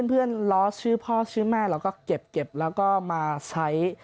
เพื่อนล้อชื่อพ่อชื่อแม่เราก็เก็บแล้วก็มาใช้